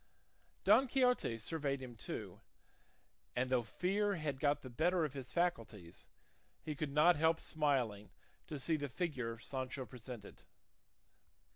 Don Quixote surveyed him too, and though fear had got the better of his faculties, he could not help smiling to see the figure Sancho presented.